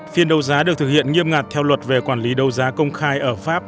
phiên đấu giá được thực hiện nghiêm ngặt theo luật về quản lý đấu giá công khai ở pháp